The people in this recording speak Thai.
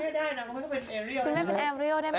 ไม่ได้มันก็เป็นแอเรียลว่ะ